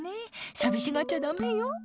寂しがっちゃだめよ。